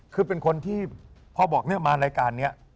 คือเป็นคนที่พ่อบอกเนี่ยมารายการนี้